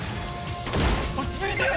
落ち着いてよ！